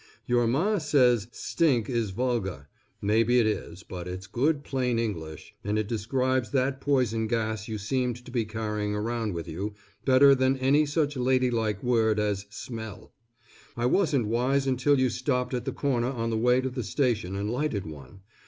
Your Ma says "stink" is vulgar. Maybe it is, but it's good plain English, and it describes that poison gas you seemed to be carrying around with you, better than any such ladylike word as smell. I wasn't wise until you stopped at the corner on the way to the station and lighted one.